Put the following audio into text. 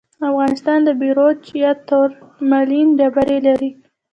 افغانستان د بیروج یا تورمالین ډبرې لري.